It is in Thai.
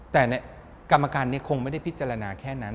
แต่กรรมการนี้คงไม่ได้พิจารณาแค่นั้น